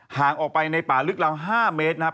ห่างออกไปในป่าลึกราว๕เมตรนะครับ